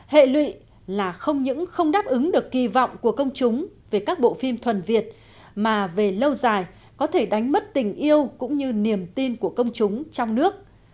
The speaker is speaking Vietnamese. hệ lụy là không những không đáp ứng được kỳ vọng của công chúng về các bộ phim thuần việt mà về lâu dài có thể đánh mất tình yêu cũng như niềm tin của công chúng trong nước